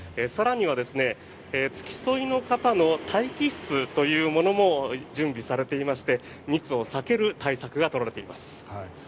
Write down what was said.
更には付き添いの方の待機室というものも準備されていまして密を避ける対策が取られています。